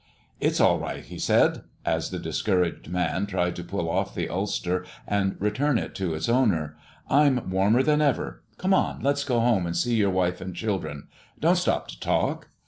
"It's all right," he said, as the Discouraged Man tried to pull off the ulster and return it to its owner. "I'm warmer than ever. Come on, let's go home and see your wife and children. Don't stop to talk!"